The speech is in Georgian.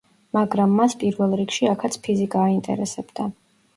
მაგრამ მას პირველ რიგში აქაც ფიზიკა აინტერესებდა.